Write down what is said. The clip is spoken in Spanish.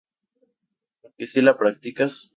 porque si la practicas